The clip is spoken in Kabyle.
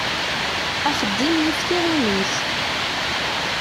Axeddim yif tiɣimit.